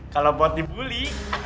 kalo buat di bully